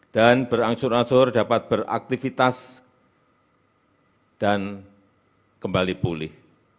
dan berangsur angsur dapat beraktivitas dan kembali pulih